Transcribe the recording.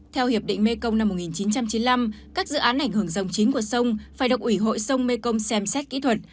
theo hiệp định mekong năm một nghìn chín trăm chín mươi năm các dự án ảnh hưởng dòng chính của sông phải được ủy hội sông mekong xem xét kỹ thuật